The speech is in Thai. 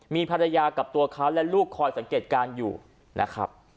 มีภรรยากับตัวเขาและลูกคอยสังเกตการณ์อยู่นะครับ